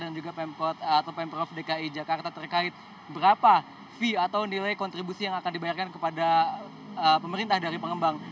dan juga pemprov dki jakarta terkait berapa fee atau nilai kontribusi yang akan dibayarkan kepada pemerintah dari pengembang